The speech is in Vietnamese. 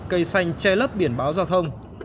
cây xanh che lấp biển báo giao thông